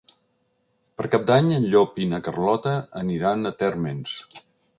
Per Cap d'Any en Llop i na Carlota aniran a Térmens.